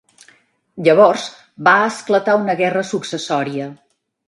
Llavors va esclatar una guerra successòria.